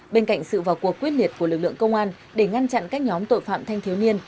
bên cạnh sự vào cuộc quyết liệt của lực lượng công an để ngăn chặn các nhóm tội phạm thanh thiếu niên